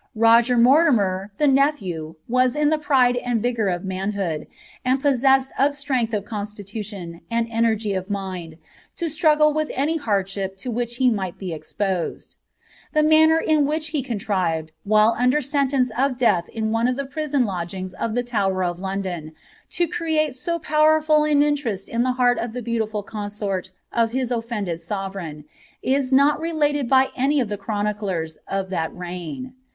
Roger Mortimer, the nephew, was in the pride nd vigour of manhood, and possessed of strength of constitution, and nergy of mind, to struggle with any hardship to which he might be cpMed. The manner in which he contrived, while under sentence of ealh in one of the prison lodgings of the Tower of London, to create 0 powerful an interest in the heart of the beautiful consort of his ofllended svereign, is not related by any of the chroniclers of that reign.